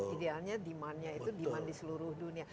idealnya demandnya itu demand di seluruh dunia